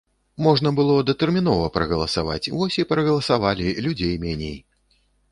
Можна было датэрмінова прагаласаваць, вось і прагаласавалі, людзей меней.